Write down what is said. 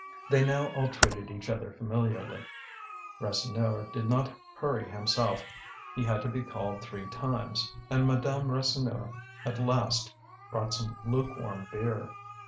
They now all treated each other familiarly. Rasseneur did not hurry himself, he had to be called three times; and Madame Rasseneur at last brought some lukewarm beer.